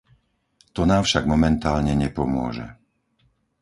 To nám však momentálne nepomôže.